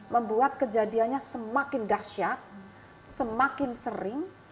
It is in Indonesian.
membuat kejadiannya semakin dahsyat semakin sering